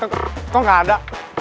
tengk kok gak ada